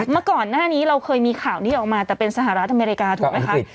เมื่อก่อนหน้านี้เราเคยมีข่าวนี้ออกมาแต่เป็นสหรัฐอเมริกาถูกไหมคะ